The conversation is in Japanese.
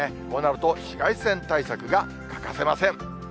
こうなると紫外線対策が欠かせません。